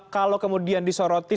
kalau kemudian disoroti